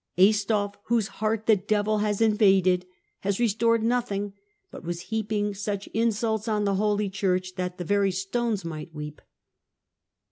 Aistulf, "whose heart the devil has invaded," has restored nothing, but was heaping such insults on the Holy Church that the very stones might weep.